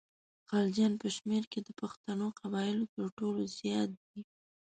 غلجیان په شمېر کې د پښتنو قبایلو تر ټولو زیات دي.